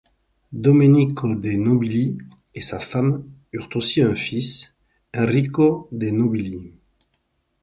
Domenico de Nobili et sa femme eurent aussi un fils, Enrico de Nobili.